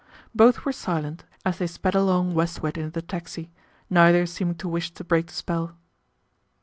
Both were silent as they sped along westward in the taxi, neither seeming to wish to break the spell.